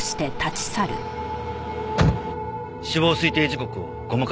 死亡推定時刻をごまかすためです。